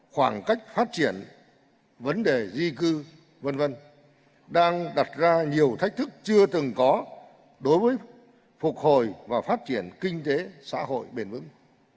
khoảng cách phát triển vấn đề di cư v v đang đặt ra nhiều thách thức chưa từng có đối với phục hồi và phát triển kinh tế xã hội bền vững